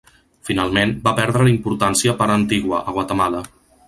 Finalment, va perdre importància per a Antigua, a Guatemala.